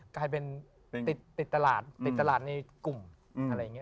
กลายเป็นติดตลาดติดตลาดในกลุ่มอะไรอย่างนี้